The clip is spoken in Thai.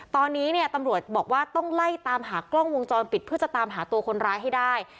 ตอนนี้เนี่ยตำรวจบอกว่าต้องไล่ตามหากล้องวงจรปิดเพื่อจะตามหาตัวคนร้ายให้ได้